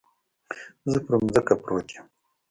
زه پر ځمکه پروت يم.